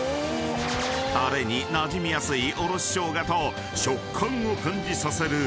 ［タレになじみやすいおろし生姜と食感を感じさせる刻み生姜］